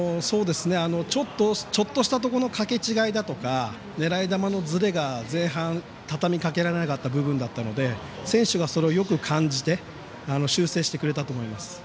ちょっとしたところのかけ違いだとか狙い球のずれが前半、たたみかけられなかった部分だったので選手がそれをよく感じて修正してくれたと思います。